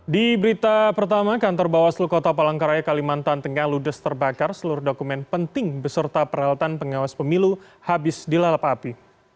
di berita pertama kantor bawaslu kota palangkaraya kalimantan tengah ludes terbakar seluruh dokumen penting beserta peralatan pengawas pemilu habis dilalap api